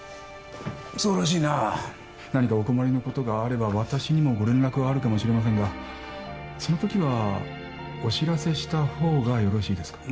そうらしいな何かお困りのことがあれば私にもご連絡があるかもしれませんがその時はお知らせしたほうがよろしいですか？